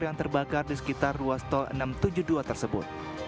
yang terbakar di sekitar ruas tol enam ratus tujuh puluh dua tersebut